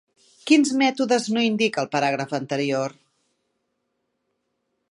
Quins mètodes no indica el paràgraf anterior?